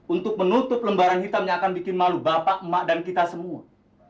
untuk menutup lembaran hitam yang akan bikin malu bapak emak dan kita semua